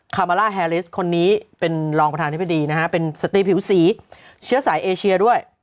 มาล่าแฮลิสคนนี้เป็นรองประธานธิบดีนะฮะเป็นสตรีผิวสีเชื้อสายเอเชียด้วย